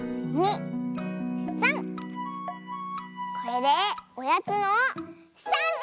これでおやつの３じ！